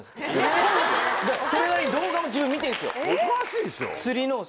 それなりに動画も自分見てるんですよ。